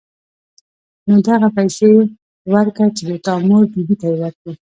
نو دغه پيسې وركه چې د تا مور بي بي ته يې وركي.